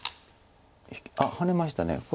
あっハネましたこれは。